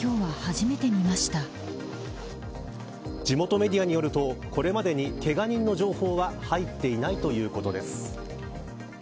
地元メディアによるとこれまでにけが人の情報は入っていないということです。